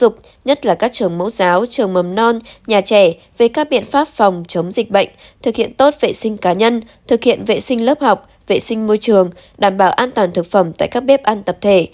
thực hiện tốt vệ sinh cá nhân thực hiện vệ sinh lớp học vệ sinh môi trường đảm bảo an toàn thực phẩm tại các bếp ăn tập thể